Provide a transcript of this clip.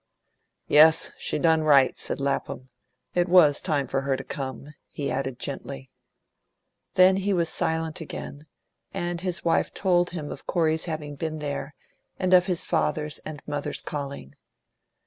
"Yes, she done right," said Lapham. "It was time for her to come," he added gently. Then he was silent again, and his wife told him of Corey's having been there, and of his father's and mother's calling.